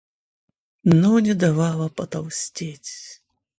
но не давала потолстеть.